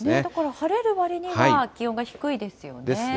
晴れるわりには気温が低いですよね。